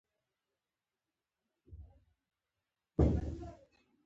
دولتي چارواکي نظام جوړول هدف لري.